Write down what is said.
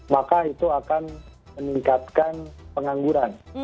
maka itu akan meningkatkan pengangguran